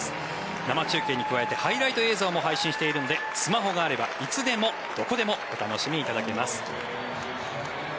生中継に加えてハイライト映像もお送りしているのでスマホがあればいつでもどこでもお楽しみいただけます。